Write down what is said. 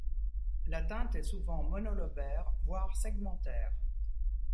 L'atteinte est souvent monolobaire, voire segmentaire.